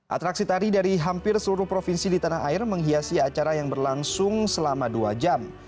atraksi tari dari hampir seluruh provinsi di tanah air menghiasi acara yang berlangsung selama dua jam